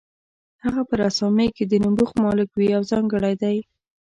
هغه په رسامۍ کې د نبوغ مالک وي او ځانګړی دی.